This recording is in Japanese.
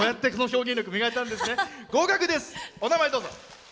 お名前、どうぞ。